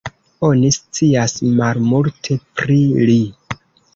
Oni scias malmulte pri li.